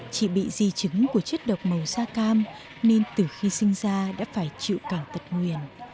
chị bị di chứng của chất độc màu da cam nên từ khi sinh ra đã phải chịu cảng tật nguyền